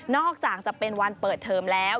อกจากจะเป็นวันเปิดเทอมแล้ว